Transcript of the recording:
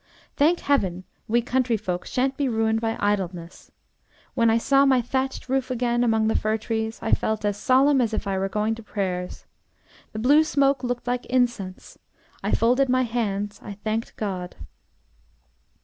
Thank heaven! we country folk shan't be ruined by idleness. When I saw my thatched roof again, among the fir trees, I felt as solemn as if I were going to prayers. The blue smoke looked like incense. I folded my hands, I thanked God."